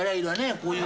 こういう。